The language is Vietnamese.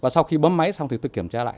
sau khi bấm máy xong tôi kiểm tra lại